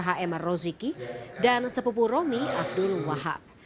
h m roziki dan sepupu romi abdul wahab